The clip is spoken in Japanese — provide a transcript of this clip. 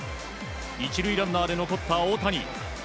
１塁ランナーで残った大谷。